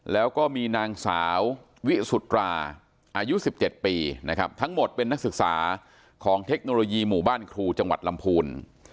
แล้วก็มีนางสาววิสุตราอายุ๑๗ปีนะครับทั้งหมดเป็นนักศึกษาของเทคโนโลยีหมู่บ้านครูจังหวัดลำพูน